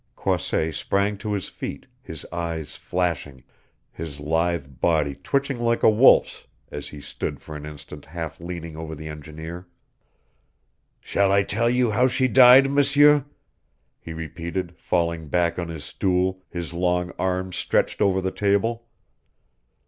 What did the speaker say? Croisset sprang to his feet, his eyes flashing, his lithe body twitching like a wolf's as he stood for an instant half leaning over the engineer. "Shall I tell you how she died, M'seur?" he repeated, falling back on his stool, his long arms stretched over the table.